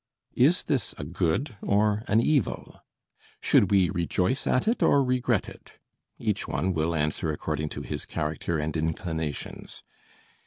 Is this a good or an evil? Should we rejoice at it or regret it? Each one will answer according to his character and inclinations.